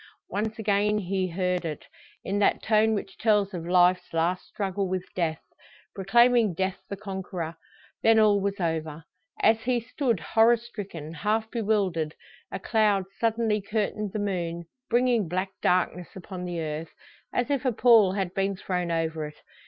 Once again he heard it, in that tone which tells of life's last struggle with death proclaiming death the conqueror. Then all was over. As he stood horror stricken, half bewildered, a cloud suddenly curtained the moon, bringing black darkness upon the earth, as if a pall had been thrown over it.